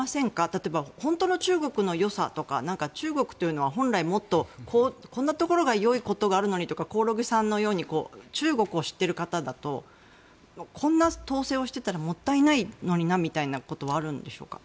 例えば本当の中国のよさというか中国というのは本来、もっとこんなところがよいところがあるのにとか興梠さんのように中国を知っている方だとこんな統制をしていたらもったいないのになみたいなことあるんでしょうか。